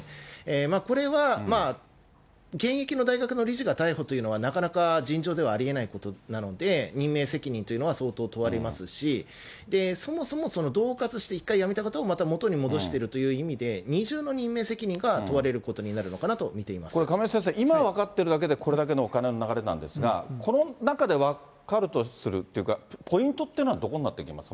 これは現役の大学の理事が逮捕というのはなかなか尋常ではありえないことなので、任命責任というのは相当問われますし、そもそもそのどうかつして一回辞めた方をまた元に戻しているという意味で、二重の任命責任が問われることになるのかなと見ていまこれ、亀井先生、今分かっているだけで、これだけのお金の流れなんですが、この中で分かるとするっていうか、ポイントっていうのは、どこになってきますか？